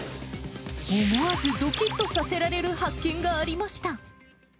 思わずどきっとさせられる発見がありました。